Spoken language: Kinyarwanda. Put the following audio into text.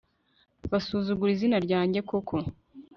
basuzugura izina ryanjye koko